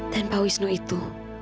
dan pak wisnu itu